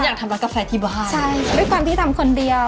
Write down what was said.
อยากทำร้านกาแฟที่บ้านใช่ด้วยความที่ทำคนเดียว